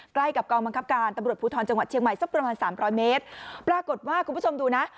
ใกล้กับกองบังคับการตำรวจภูทรจังหวัดเชียงใหม่สักประมาณสามร้อยเมตรปรากฏว่าคุณผู้ชมดูนะ